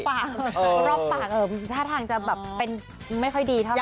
เพราะรอบปากท่าทางจะแบบเป็นไม่ค่อยดีเท่าไห